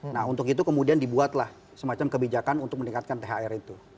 nah untuk itu kemudian dibuatlah semacam kebijakan untuk meningkatkan thr itu